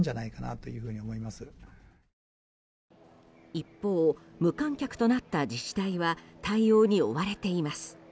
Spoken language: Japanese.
一方、無観客となった自治体は対応に追われています。